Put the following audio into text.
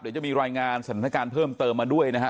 เดี๋ยวจะมีรายงานสถานการณ์เพิ่มเติมมาด้วยนะฮะ